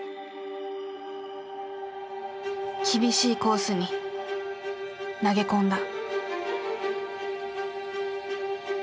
厳しいコースに投げ込んだ。